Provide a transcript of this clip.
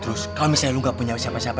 terus kalau misalnya lu gak punya siapa siapa